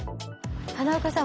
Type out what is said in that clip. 花岡さん